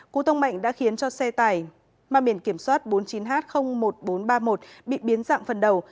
cú tông mạnh đã khiến cho xe tải mang biển kiểm soát bốn mươi chín h một nghìn bốn trăm ba mươi một bị biến dạng phần đầu